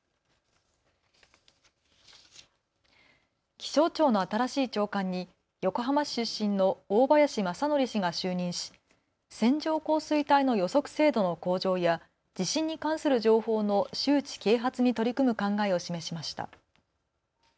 気象庁の新しい長官に横浜市出身の大林正典氏が就任し線状降水帯の予測精度の向上や地震に関する情報の周知、啓発に取り組む考えを示しました。